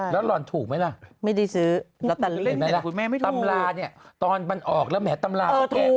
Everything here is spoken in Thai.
แล้วรอลถูกไหมล่ะไม่ได้ซื้อเราตัดเล่นแต่คุณแม่ไม่ถูกตำราเนี่ยตอนมันออกแล้วแหมดตำรา